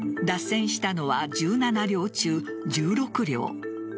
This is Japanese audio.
脱線したのは１７両中１６両。